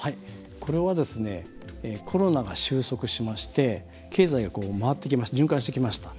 これはコロナが収束しまして経済が循環してきました。